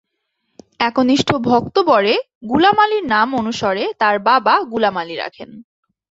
একনিষ্ঠ ভক্ত বড়ে গুলাম আলীর নাম অনুসরণে তার বাবা গুলাম আলী রাখেন।